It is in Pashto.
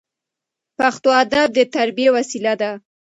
پښتو ادب د تربیې وسیله ده.